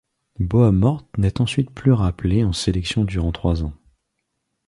Boa Morte n'est ensuite plus rappelé en sélection durant trois ans.